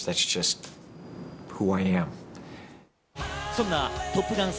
そんな『トップガン』